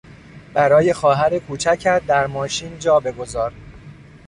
برای خواهر کوچکت در ماشین جا بگذار!